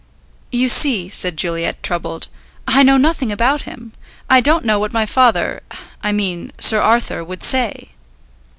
"You see," said Juliet, troubled, "I know nothing about him. I don't know what my father I mean, Sir Arthur would say."